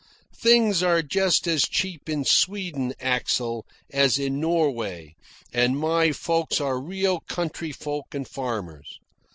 Things are just as cheap in Sweden, Axel, as in Norway, and my folks are real country folk and farmers.